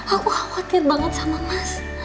aku khawatir banget sama mas